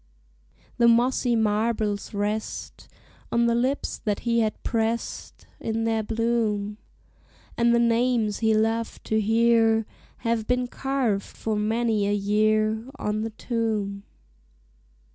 The mossy marbles rest On the lips that he had pressed In their bloom; And the names he loved to hear Have been carved for many a year On the tomb.